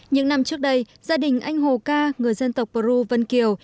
những năm trước đây gia đình anh hồ ca người dân tộc peru vân kiều